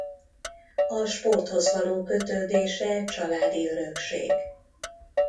A sporthoz való kötődése családi örökség.